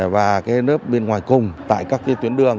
và cái nớp bên ngoài cùng tại các cái tuyến đường